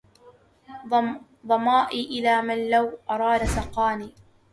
ظمائي إلى من لو أراد سقاني